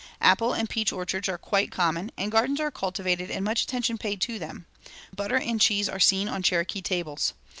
Apple and peach orchards are quite common, and gardens are cultivated and much attention paid to them. Butter and cheese are seen on Cherokee tables.